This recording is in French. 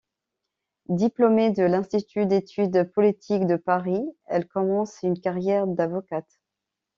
Diplômée de l'Institut d'études politiques de Paris, elle commence une carrière d'avocate.